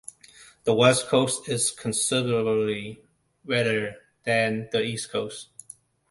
The west coast is considerably wetter than the east coast.